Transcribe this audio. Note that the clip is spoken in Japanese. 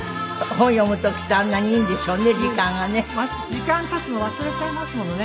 時間経つの忘れちゃいますものね。